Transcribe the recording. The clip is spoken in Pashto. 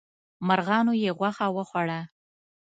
مرغانو یې غوښه وخوړه.